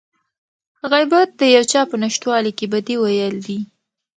غيبت د يو چا په نشتوالي کې بدي ويل دي.